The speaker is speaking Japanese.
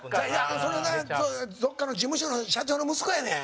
それが、どっかの事務所の社長の息子やねん。